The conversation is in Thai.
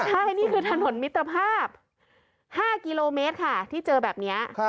ใช่นี่คือถนนมิตรภาพ๕กิโลเมตรค่ะที่เจอแบบนี้